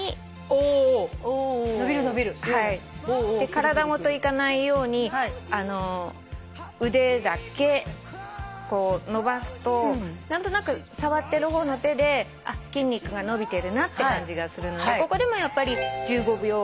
体ごといかないように腕だけ伸ばすと何となく触ってる方の手で筋肉が伸びてるなって感じがするのでここでも。